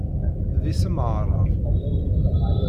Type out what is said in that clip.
D isem aɛṛab.